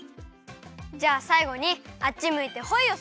じゃあさいごにあっちむいてホイをするよ！